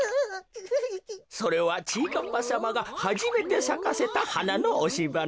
それはちぃかっぱさまがはじめてさかせたはなのおしばな。